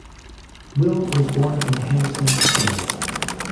Will was born in Hamilton, Canada.